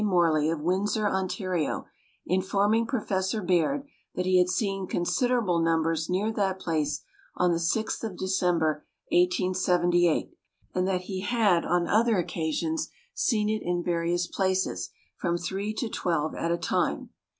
Morley, of Windsor, Ontario, informing Professor Baird that he had seen considerable numbers near that place on the 6th of December, 1878, and that he had on other occasions seen it in various places, from three to twelve at a time.